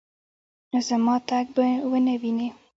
زما تګ به ونه وینې